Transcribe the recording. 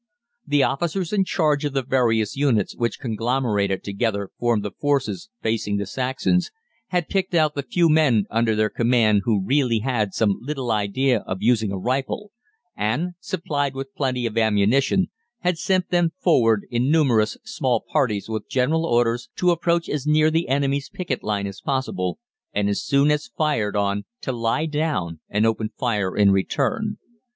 The officers in charge of the various units which conglomerated together formed the forces facing the Saxons, had picked out the few men under their command who really had some little idea of using a rifle, and, supplied with plenty of ammunition, had sent them forward in numerous small parties with general orders to approach as near the enemy's picket line as possible, and as soon as fired on to lie down and open fire in return.